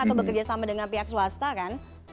atau bekerja sama dengan pihak swasta kan